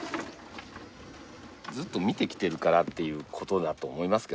ずっと見てきてるからということだと思いますけどね。